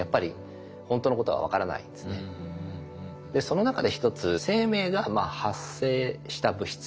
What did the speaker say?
その中で一つ生命が発生した物質